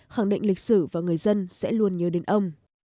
khẳng định lịch sử và người dân sẽ luôn nhớ đến ông